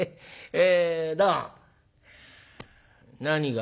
「え？